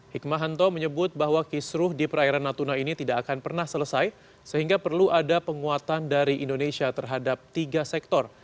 hikmahanto menyebut bahwa kisruh di perairan natuna ini tidak akan pernah selesai sehingga perlu ada penguatan dari indonesia terhadap tiga sektor